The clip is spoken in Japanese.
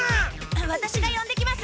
ワタシがよんできます！